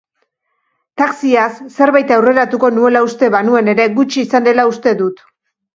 Taxiaz zerbait aurreratuko nuela uste banuen ere, gutxi izan dela uste dut.